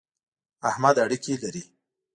احمد اړېکی لري.